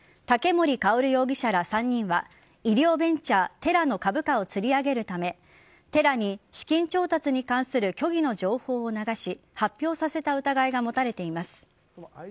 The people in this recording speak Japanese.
竹森郁容疑者ら３人は医療ベンチャー・テラの株価をつり上げるためテラに資金調達に関する虚偽の情報を流し発表させた疑いが持たれています。